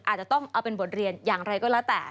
อาจจะต้องเอาเป็นบทเรียนอย่างไรก็แล้วแต่